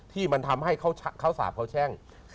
ที่มันทำให้เขาสาบเขาแช่ง